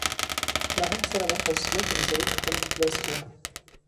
لا هم ستره برخه ځمکې د ځايي خلکو په لاس کې وه.